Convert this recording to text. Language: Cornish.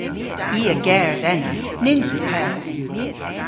I a gerdh ena. Nyns yw pell.